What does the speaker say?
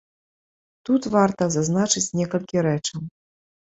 Тут варта зазначыць некалькі рэчаў.